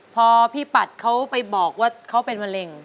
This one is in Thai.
พอพี่ปัดเขาไปบอกว่าเขาเป็นมะเร็ง